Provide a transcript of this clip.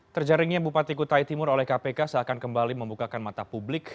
terjaringnya bupati kutai timur oleh kpk seakan kembali membukakan mata publik